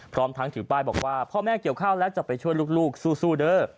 พร้อมทั้งถือป้ายบอกว่าพ่อแม่เกี่ยวข้าวแล้วจะไปช่วยลูกสู้เด้อ